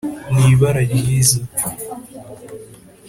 ni ibara ryiza.